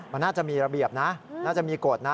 มันน่าจะมีระเบียบนะน่าจะมีกฎนะ